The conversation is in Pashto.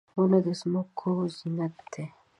• ونه د ځمکې زینت دی.